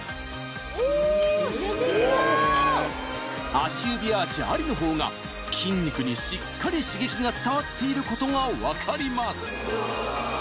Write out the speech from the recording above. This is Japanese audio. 足指アーチありのほうが筋肉にしっかり刺激が伝わっていることが分かります